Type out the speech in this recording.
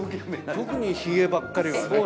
特にヒゲばっかりはね。